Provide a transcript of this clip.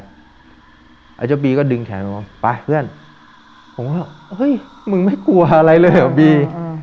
อาจจะบีก็ดึงแขนมันว่าไปเพื่อนผมว่าเฮ้ยมึงไม่กลัวอะไรเลยอ่ะบี